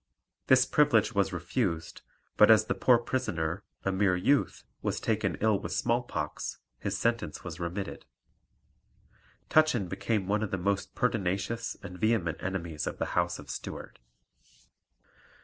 This privilege was refused, but as the poor prisoner, a mere youth, was taken ill with smallpox, his sentence was remitted. Tutchin became one of the most pertinacious and vehement enemies of the House of Stuart.